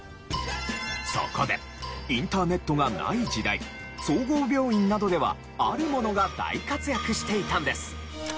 そこでインターネットがない時代総合病院などではあるものが大活躍していたんです。